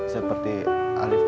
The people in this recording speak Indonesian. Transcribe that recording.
seperti alif dan aldi waktu itu